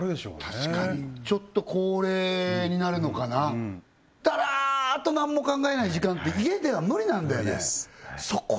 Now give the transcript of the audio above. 確かにちょっと高齢になるのかなだらっとなんも考えない時間って家では無理なんだよね無理です